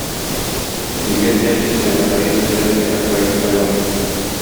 Милләт мәҗлесенә, мәгариф нәзарәтенә әгъза итеп сайлана.